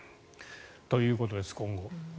ということです。